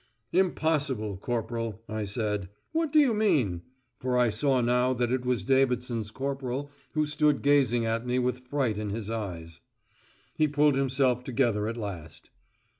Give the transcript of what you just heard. "Impossible, corporal," I said. "What do you mean?" For I saw now that it was Davidson's corporal who stood gazing at me with fright in his eyes. He pulled himself together at last.